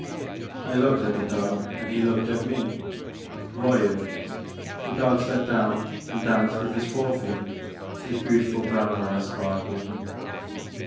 I looked at the dog and he looked at me. *' Voyou!*' The dog sat down and danced with his fore feet, his beautiful brown eyes sparkling.